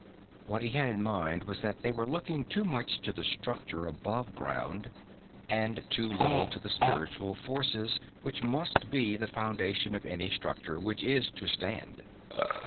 What he had in mind was that they were looking too much to the structure above ground, and too little to the spiritual forces which must be the foundation of any structure which is to stand.